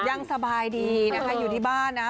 ยังสบายดีนะคะอยู่ที่บ้านนะ